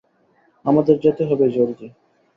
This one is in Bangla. আমাদের যেতে হবে, জলদি।